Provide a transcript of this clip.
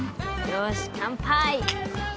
よし乾杯。